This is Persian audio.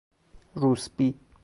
روسبی